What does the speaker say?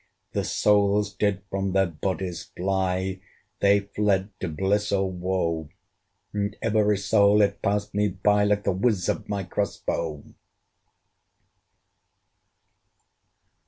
The souls did from their bodies fly, They fled to bliss or woe! And every soul, it passed me by, Like the whizz of my CROSS BOW!